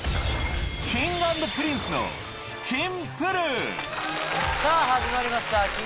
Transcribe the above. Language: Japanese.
Ｋｉｎｇ＆Ｐｒｉｎｃｅのさぁ始まりました